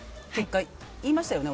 言いましたよね？